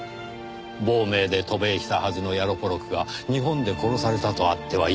亡命で渡米したはずのヤロポロクが日本で殺されたとあっては一大事。